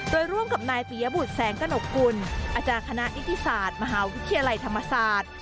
โดยร่วมกับนายปียบุตรแสงกระหนกกุลอาจารย์คณะนิติศาสตร์มหาวิทยาลัยธรรมศาสตร์